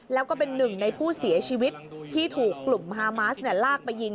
แล้วก็เป็นหนึ่งในผู้เสียชีวิตที่ถูกกลุ่มฮามาสลากไปยิง